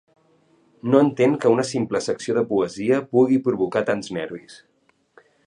No entén que una simple secció de poesia pugui provocar tants nervis.